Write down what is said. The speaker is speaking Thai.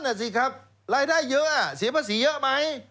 นั่นสิครับรายได้เยอะเสียภาษีเยอะไหม